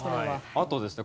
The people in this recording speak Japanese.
あとですね